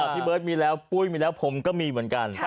พี่เบิร์ตมีแล้วปุ้ยมีแล้วผมก็มีเหมือนกัน